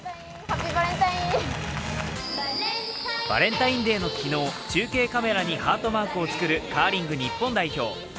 バレンタインデーの昨日、中継カメラにハートマークを作るカーリング日本代表。